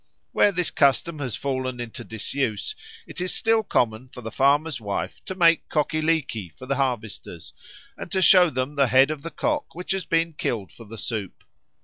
Where this custom has fallen into disuse, it is still common for the farmer's wife to make cockie leekie for the harvesters, and to show them the head of the cock which has been killed for the soup.